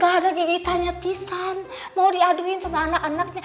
gak ada gigitannya pisan mau diaduin sama anak anaknya